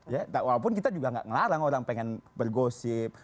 ya walaupun kita juga nggak ngelarang orang pengen bergosip